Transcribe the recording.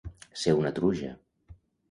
Ser una truja.